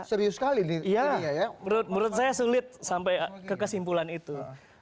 menurut saya sulit sampai ke kesimpulan itu